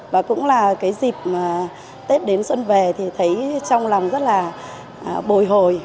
và cũng là dịp tết đến xuân về thấy trong lòng rất là bồi hồi